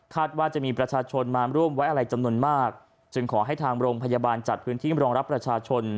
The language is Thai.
ว่าจะมีประชาชนมาร่วมไว้อะไรจำนวนมากจึงขอให้ทางโรงพยาบาลจัดพื้นที่รองรับประชาชน